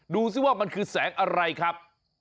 ดูสิว่ามันคือแสงอะไรครับ